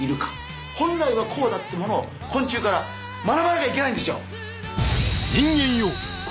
本来はこうだってものを昆虫から学ばなきゃいけないんですよ！